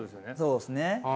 そうですね。